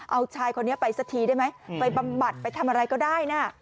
เอาชายคนนี้ไปสักทีได้ไหมไปบำบัดไปทำอะไรก็ได้นะ